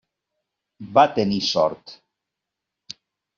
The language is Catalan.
Va tenir sort.